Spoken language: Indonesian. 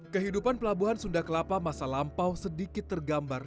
kehidupan pelabuhan sunda kelapa masa lampau sedikit tergambar